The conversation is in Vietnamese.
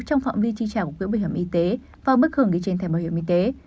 trong phạm vi chi trả của quỹ bảo hiểm y tế và mức hưởng ghi trên thẻ bảo hiểm y tế